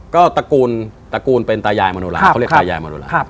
ก็ตระกูลตระกูลเป็นตายายมโนราเขาเรียกตายายมโนรา